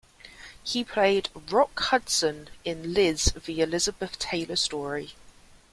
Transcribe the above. He played Rock Hudson in "Liz: The Elizabeth Taylor Story".